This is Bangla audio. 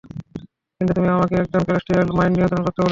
কিন্তু তুমি আমাকে একজন ক্যালেস্টিয়ালের মাইন্ড নিয়ন্ত্রণ করতে বলছো।